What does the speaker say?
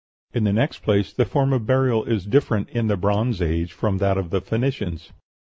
In the next place, the form of burial is different in the Bronze Age from that of the Phoenicians.